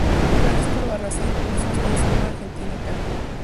Francisco Albarracín nació en Ciudad de San Juan, Argentina ca.